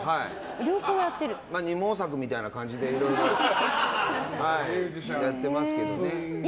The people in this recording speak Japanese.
二毛作みたいな感じでいろいろやってますけどね。